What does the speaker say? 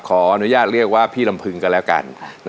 ขออนุญาตเรียกว่าพี่ลำพึงกันแล้วกัน